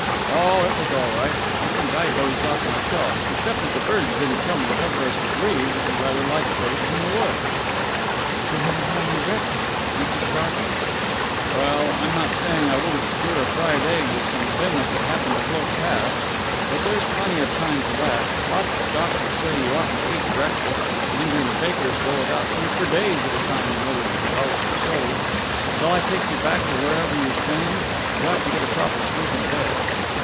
"Oh, it was all right. I think I dozed off myself. Except that the birds didn't come and cover us with leaves; it was rather like the 'Babes in the Wood.'" "But you haven't had any breakfast! Aren't you starving?" "Well, I'm not saying I wouldn't spear a fried egg with some vim if it happened to float past. But there's plenty of time for that. Lots of doctors say you oughtn't to eat breakfast, and Indian fakirs go without food for days at a time in order to develop their souls. Shall I take you back to wherever you're staying? You ought to get a proper sleep in bed."